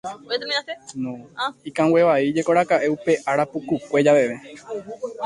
Ikanguevaíjekoraka'e upe ára pukukue javeve.